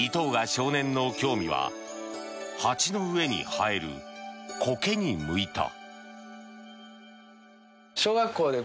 少年の興味は鉢の上に生えるコケに向いた。